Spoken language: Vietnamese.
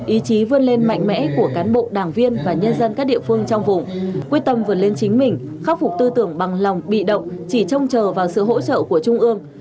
ý chí vươn lên mạnh mẽ của cán bộ đảng viên và nhân dân các địa phương trong vùng quyết tâm vượt lên chính mình khắc phục tư tưởng bằng lòng bị động chỉ trông chờ vào sự hỗ trợ của trung ương